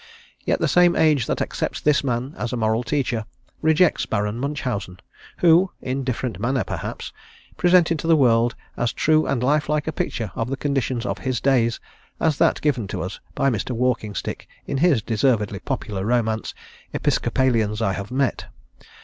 Yet the same age that accepts this man as a moral teacher, rejects Baron Munchausen, who, in different manner perhaps, presented to the world as true and life like a picture of the conditions of his day as that given to us by Mr. Walkingstick in his deservedly popular romance, "Episcopalians I have Met."